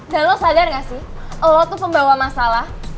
dan lo sadar gak sih lo tuh pembawa masalah